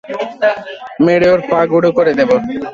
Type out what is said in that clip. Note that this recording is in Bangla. মেরে ওর পা গুঁড়ো করে দেবো।